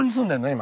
今。